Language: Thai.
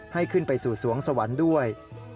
ให้ขึ้นไปสู่สวงสวรรค์ด้วย